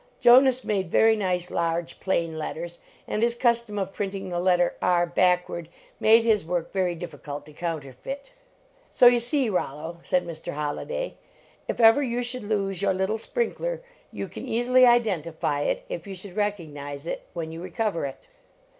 Jonas made very nice large, plain let ters and his custom of printing the letter R backward made his work very difficult to counterfeit. "So you see, Rollo," said Mr. Holliday, " if ever you should lose your little sprinkler you can easily identify it, if you should rec ognize it, when .you recover it."